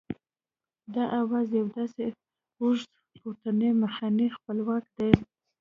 دا آواز یو داسې اوږد پورتنی مخنی خپلواک دی